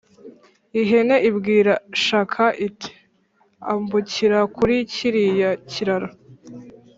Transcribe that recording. ihene ibwira shaka iti: “ambukira kuri kiriya kiraro,